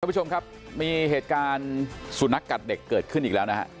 ผู้ชมครับมีเหตุการณ์สุนัขกัดเด็กเกิดขึ้นอีกแล้วนะฮะ